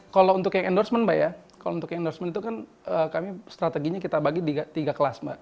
kalau untuk yang endorsement strateginya kita bagi di tiga kelas